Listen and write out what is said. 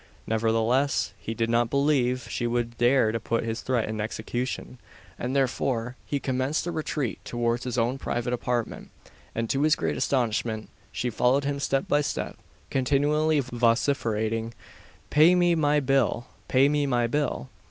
Nevertheless, he did not believe she would dare to put this threat in execution, and therefore he commenced a retreat towards his own private apartment; and, to his great astonishment, she followed him step by step, continually vociferating "Pay me my bill! Pay me my bill!"